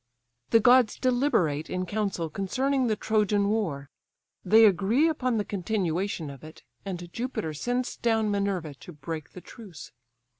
The gods deliberate in council concerning the Trojan war: they agree upon the continuation of it, and Jupiter sends down Minerva to break the truce.